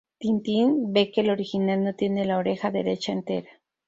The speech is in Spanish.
Tintín ve que el original no tiene la oreja derecha entera.